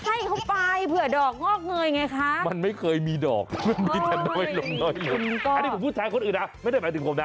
ให้เขาไปเผื่อดอกงอกเงยไงคะมันไม่เคยมีดอกมันมีแต่น้อยลงน้อยลงอันนี้ผมพูดแทนคนอื่นนะไม่ได้หมายถึงผมนะ